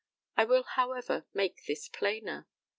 I will, however, make this plainer.